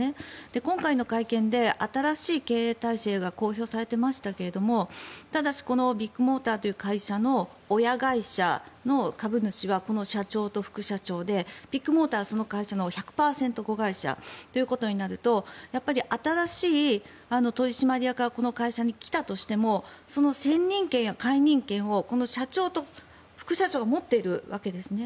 今回の会見で新しい経営体制が公表されていましたけれどただし、ビッグモーターという会社の親会社の株主は社長と副社長でビッグモーターは、その会社の１００％子会社となるとやっぱり新しい取締役がこの会社に来たとしてもその先任権や解任権を社長と副社長が持っているわけですね。